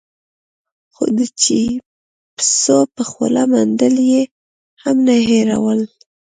خو د چېپسو په خوله منډل يې هم نه هېرول.